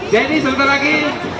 jadi sebentar lagi